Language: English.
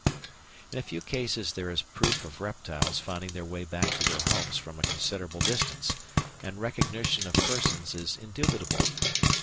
In a few cases there is proof of reptiles finding their way back to their homes from a considerable distance, and recognition of persons is indubitable.